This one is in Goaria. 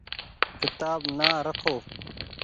ڪيتآب نآ رکو ۔